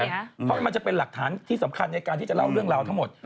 เพราะมันจะเป็นหลักฐานที่สำคัญในการที่จะเล่าเรื่องราวทั้งหมด